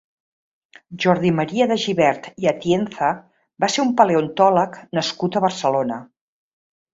Jordi Maria de Gibert i Atienza va ser un paleontòleg nascut a Barcelona.